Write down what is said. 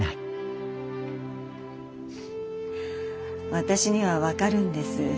私には分かるんです。